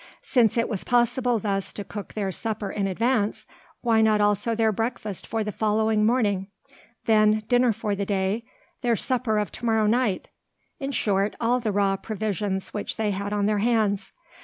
Since it was possible thus to cook their supper in advance, why not also their breakfast for the following morning, then dinner for the day, their supper of to morrow night, in short, all the raw provisions which they had on their hands?